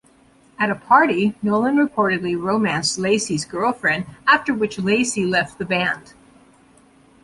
At a party, Nolan reportedly romanced Lacey's girlfriend, after which Lacey left the band.